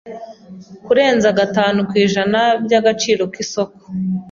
kurenza gatanu ku ijana by agaciro k isoko